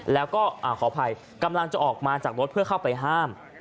แล้วก็ขออภัยกำลังจะออกมาจากรถเพื่อเข้าไปห้าม